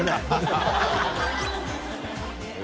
ハハハ